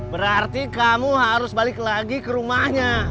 berarti kamu harus balik lagi ke rumahnya